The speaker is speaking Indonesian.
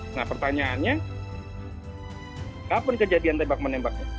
nah pertanyaannya kapan kejadian tembak menembaknya